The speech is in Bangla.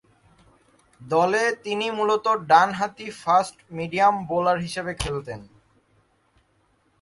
দলে তিনি মূলতঃ ডানহাতি ফাস্ট-মিডিয়াম বোলার হিসেবে খেলতেন।